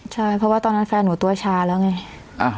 ใช่เพราะว่าตอนนั้นแฟนหนูตัวชาแล้วไง